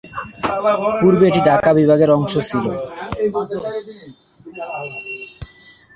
পূর্বে এটি ঢাকা বিভাগের অংশ ছিল।